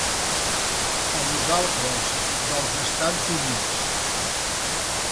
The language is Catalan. A vosaltres, dels Estats Units.